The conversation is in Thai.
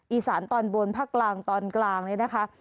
อีสานตอนบนภาคกลางตอนกลางเนี่ยนะคะ